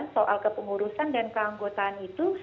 soal kepengurusan dan keanggotaan itu